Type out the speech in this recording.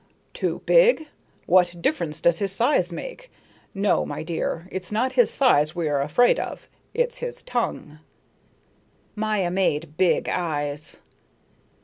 "Too big? What difference does his size make? No, my dear, it's not his size we are afraid of; it's his tongue." Maya made big eyes.